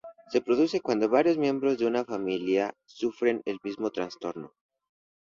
Se produce cuando varios miembros de una familia sufren del mismo trastorno.